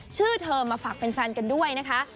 ชื่อเธอมาฝากแฟนกันด้วยนะคะ